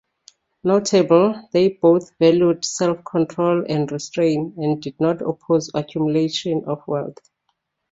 Notably, they both valued self-control and restraint and did not oppose accumulation of wealth.